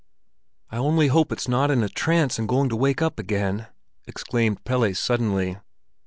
"I only hope it's not in a trance and going to wake up again!" exclaimed Pelle suddenly.